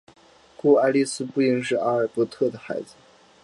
故爱丽丝不应是阿尔伯特的孩子。